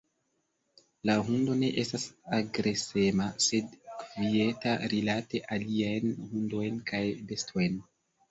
La hundo ne estas agresema, sed kvieta rilate aliajn hundojn kaj bestojn.